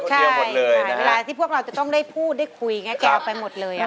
ใช่เวลาที่พวกเราจะต้องได้พูดได้คุยแกเอาไปหมดเลย